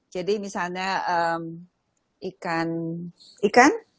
jadi misalnya ikan